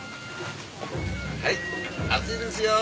はい熱いですよ。